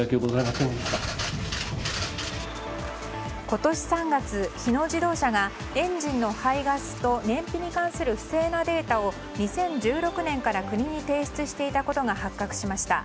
今年３月、日野自動車がエンジンの排ガスと燃費に関する不正なデータを２０１６年から国に提出していたことが発覚しました。